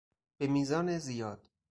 به میزان زیاد